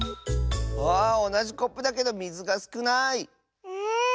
あおなじコップだけどみずがすくない！